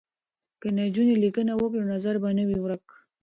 که نجونې لیکنه وکړي نو نظر به نه وي ورک.